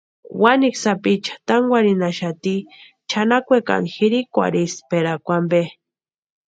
Wanikwa sapicha tankwarhinhaxati chʼanakwekani jirikwarhisperhakwa ampe.